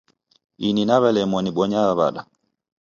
Ini naw'elemwa nibonya w'ada